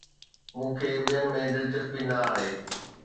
مون کي ٻين ۾ دلچسپي نه آهي